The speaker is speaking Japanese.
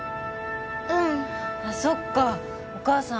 うんあっそっかお母さん